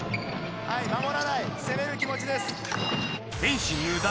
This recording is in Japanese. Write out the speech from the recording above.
はい守らない攻める気持ちです。